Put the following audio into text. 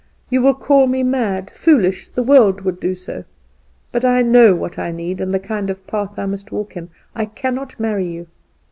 You will call me mad, foolish the world would do so; but I know what I need and the kind of path I must walk in. I cannot marry you.